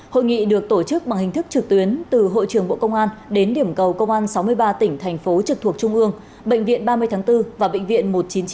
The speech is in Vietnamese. hội nghị được tổ chức bằng hình thức trực tuyến từ hội trưởng bộ công an đến điểm cầu công an sáu mươi ba tỉnh thành phố trực thuộc trung ương bệnh viện ba mươi tháng bốn và bệnh viện một trăm chín mươi chín